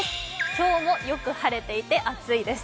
今日もよく晴れていて、暑いです。